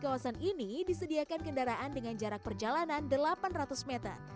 kawasan ini disediakan kendaraan dengan jarak perjalanan delapan ratus meter